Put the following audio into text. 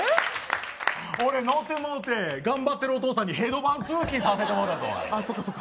俺ノってもうて、頑張ってるお父さんにヘドバン通勤させてもうた。